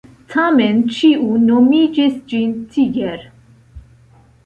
Tamen ĉiu nomigis ĝin Tiger.